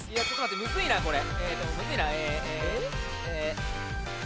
むずいなこれ。